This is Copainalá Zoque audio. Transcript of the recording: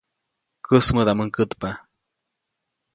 Käsmädaʼmuŋ kätpa.